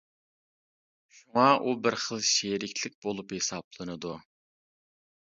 شۇڭا ئۇ بىر خىل شېرىكلىك بولۇپ ھېسابلىنىدۇ.